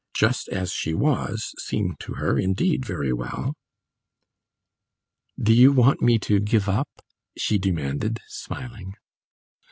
"Just as she was" seemed to her indeed very well. "Do you want me to give up ?" she demanded, smiling.